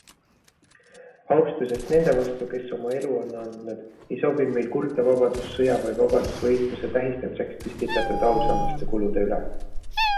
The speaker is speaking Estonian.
Austusest nende vastu, kes oma elu on andnud, ei sobi meil kurta Vabadussõja või vabadusvõitluse tähistamiseks püstitatud ausammaste kulude üle.